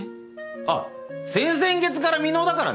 あっ先々月から未納だからね。